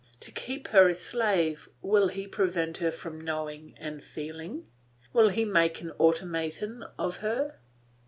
To keep her a slave will he prevent her knowing and feeling? Will he make an automaton of her?